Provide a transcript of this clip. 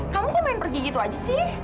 kamu kok main pergi gitu aja sih